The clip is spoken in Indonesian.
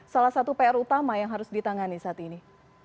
salah satu pr utama yang harus ditangani saat ini